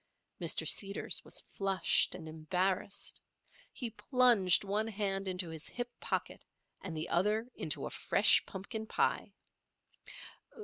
Mr. Seeders was flushed and embarrassed. He plunged one hand into his hip pocket and the other into a fresh pumpkin pie.